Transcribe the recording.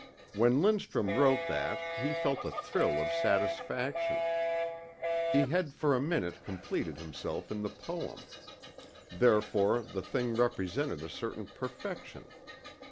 When Lindstrum wrote that he felt a thrill of satisfaction. He had for a minute completed himself in the poem. Therefore the thing represented a certain perfection.